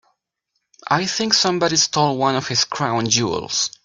I think somebody stole one of his crown jewels.